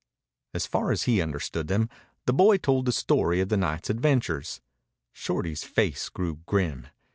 As far as he understood them, the boy told the story of the night's adventures. Shorty's face grew grim.